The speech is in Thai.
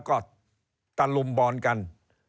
เริ่มตั้งแต่หาเสียงสมัครลง